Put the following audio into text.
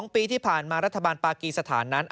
๒ปีที่ผ่านมารัฐบาลปากีสถานนั้น